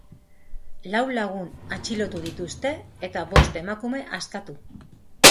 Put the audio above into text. Lau lagun atxilotu dituzte eta bost emakume askatu.